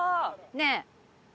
ねえ。